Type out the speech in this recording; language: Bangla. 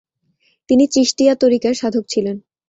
তিনি চিশতিয়া তরিকার সাধক ছিলেন।